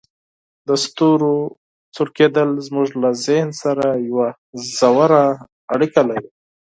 د ستورو چمک زموږ له ذهن سره یوه ژوره اړیکه لري.